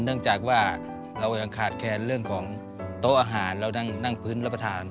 เนื่องจากว่าเรายังขาดแคลนเรื่องของโต๊ะอาหารเรานั่งพื้นรับประทาน